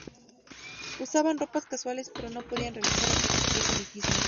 Usaban ropas casuales, pero no podían realizar proselitismo.